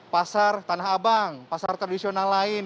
pasar tanah abang pasar tradisional lain